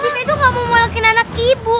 kita itu gak mau malakin anak ibu